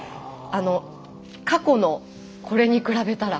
過去のこれに比べたら。